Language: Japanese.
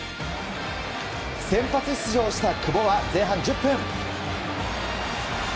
先発出場した久保は前半１０分。